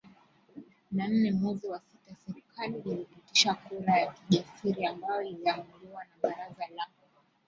na nne mwezi wa sitaserikali ilipitisha kura ya kijasiri ambayo iliamuliwa na baraza la